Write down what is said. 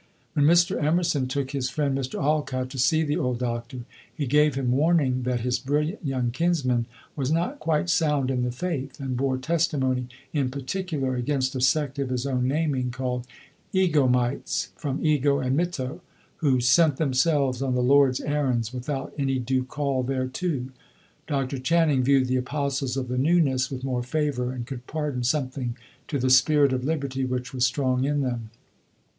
When Mr. Emerson took his friend Mr. Alcott to see the old doctor, he gave him warning that his brilliant young kinsman was not quite sound in the faith, and bore testimony in particular against a sect of his own naming, called "Egomites" (from ego and mitto), who "sent themselves" on the Lord's errands without any due call thereto. Dr. Channing viewed the "apostles of the newness" with more favor, and could pardon something to the spirit of liberty which was strong in them.